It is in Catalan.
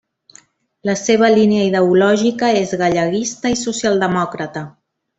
La seva línia ideològica és galleguista i socialdemòcrata.